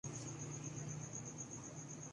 ریاستی سطح پر ایک سکولی اصطلاح تھِی